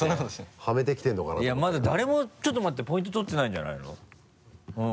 まだ誰もちょっと待ってポイント取ってないんじゃないの？